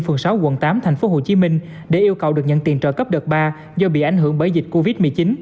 phường sáu quận tám tp hcm để yêu cầu được nhận tiền trợ cấp đợt ba do bị ảnh hưởng bởi dịch covid một mươi chín